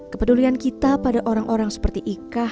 kepedulian kita pada orang orang seperti ika